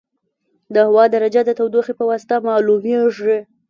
د هوا درجه د تودوخې په واسطه معلومېږي.